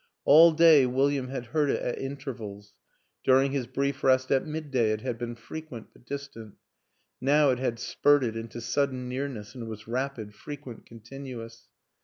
All day William had heard it at intervals; during his brief rest at midday it had been fre quent but distant; now it had spurted into sudden nearness and was rapid, frequent, continuous.